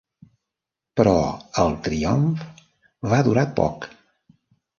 Però el triomf va durar poc.